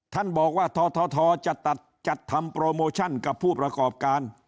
ท่านบอกว่าททจะจัดทำโปรโมชั่นกับผู้ประกอบการ